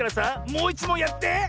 もういちもんやって！